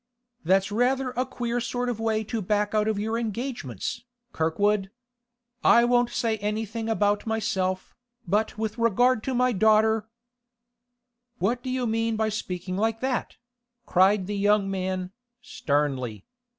'That's rather a queer sort of way to back out of your engagements, Kirkwood. I won't say anything about myself, but with regard to my daughter—' 'What do you mean by speaking like that?' cried the young man, sternly.